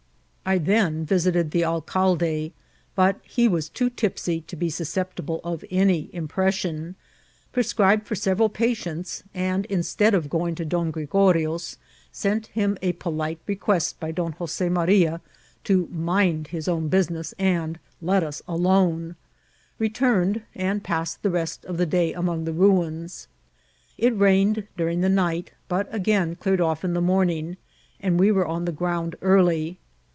I then visited the alcalde, but he was too tipsy to be suscepti ble of any impressicm ; prescribed for several patients ; and instead of going to Don Oregorio's, sent him a polite request by Don Jose Maria to mind his own busi ness and let us alone ; returned, and passed the rest of the day among the ruins. It rained during the night, but again cleared off in the morning, and we were on the ground early.